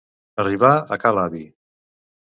Arribar a ca l'avi.